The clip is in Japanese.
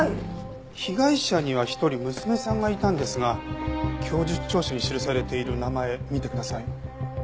被害者には１人娘さんがいたんですが供述調書に記されている名前見てください。